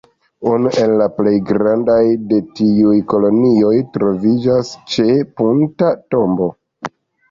Unu el la plej grandaj de tiuj kolonioj troviĝas ĉe Punta Tombo.